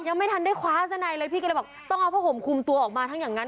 ยังไม่ทันได้คว้าซะในเลยพี่ก็เลยบอกต้องเอาผ้าห่มคุมตัวออกมาทั้งอย่างนั้น